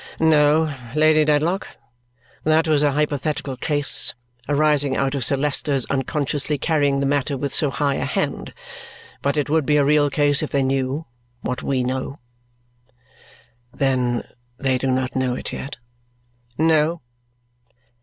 "No, Lady Dedlock. That was a hypothetical case, arising out of Sir Leicester's unconsciously carrying the matter with so high a hand. But it would be a real case if they knew what we know." "Then they do not know it yet?" "No."